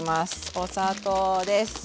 お砂糖です。